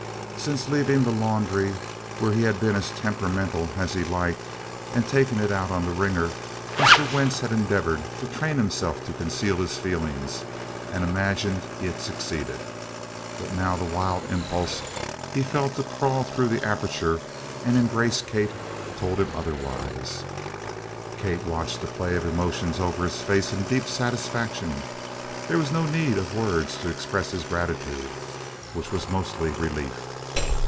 Since leaving the laundry, where he had been as temperamental as he liked, and taken it out on the wringer, Mr. Wentz had endeavored to train himself to conceal his feelings, and imagined he had succeeded. But now the wild impulse he felt to crawl through the aperture and embrace Kate told him otherwise. Kate watched the play of emotions over his face in deep satisfaction. There was no need of words to express his gratitude which was mostly relief.